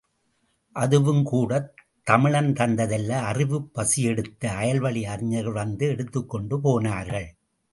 அதுவுங்கூடத் தமிழன் தந்ததல்ல அறிவுபசியெடுத்த அயல்வழி அறிஞர்கள் வந்து எடுத்துக்கொண்டு போனார்கள்!